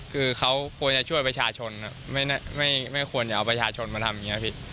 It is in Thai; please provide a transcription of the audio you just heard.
คือเขาควรจะช่วยประชาชนไม่ควรจะเอาประชาชนมาทำอย่างนี้พี่